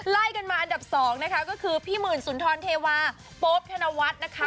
ไล่กันมาอันดับ๒นะคะก็คือพี่หมื่นสุนทรเทวาโป๊ปธนวัฒน์นะคะ